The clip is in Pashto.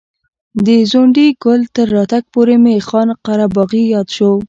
د ځونډي ګل تر راتګ پورې مې خان قره باغي یاد شو.